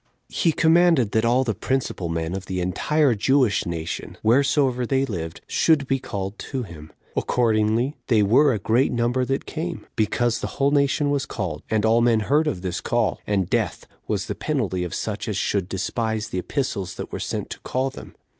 He commanded that all the principal men of the entire Jewish nation, wheresoever they lived, should be called to him. Accordingly, they were a great number that came, because the whole nation was called, and all men heard of this call, and death was the penalty of such as should despise the epistles that were sent to call them.